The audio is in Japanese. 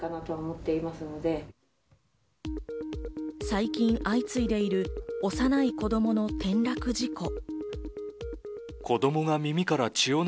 最近相次いでいる幼い子供の転落事故。